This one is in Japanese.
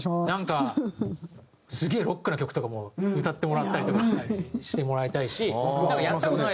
なんかすげえロックな曲とかも歌ってもらったりとかしてもらいたいし。